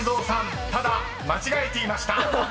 ［ただ間違えていました］